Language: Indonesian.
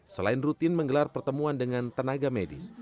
selain rutin menggelar pertemuan dengan tenaga medis